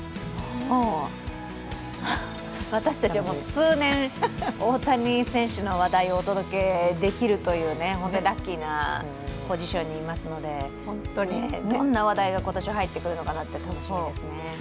私たちは通年、大谷選手の話題をお届けできるという、本当にラッキーなポジションにいますのでどんな話題が今年は入ってくるのかなと楽しみですよね。